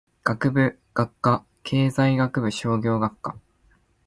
学部・学科経済学部商業学科